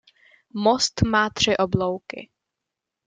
Most má tři oblouky.